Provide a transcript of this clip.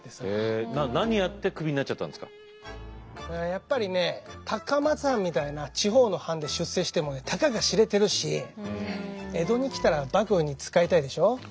やっぱりね高松藩みたいな地方の藩で出世してもねたかが知れてるし江戸に来たら幕府に仕えたいでしょ？